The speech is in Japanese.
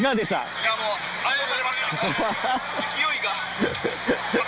いやもう、圧倒されました。